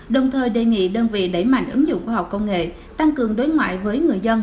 đồng thời đề nghị đơn vị đẩy mạnh ứng dụng khoa học công nghệ tăng cường đối ngoại với người dân